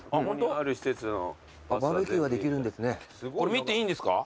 見ていいんですか？